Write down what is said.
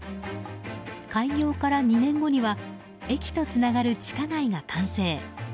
開業から２年後には駅とつながる地下街が完成。